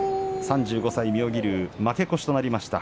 ３５歳、妙義龍負け越しとなりました。